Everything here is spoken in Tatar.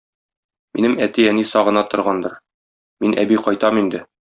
Минем әти-әни сагына торгандыр, мин, әби, кайтам инде.